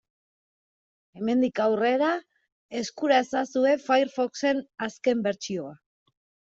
Hemendik aurrera eskura ezazue Firefoxen azken bertsioa.